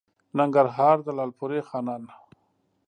ننګرهار؛ د لالپورې خانان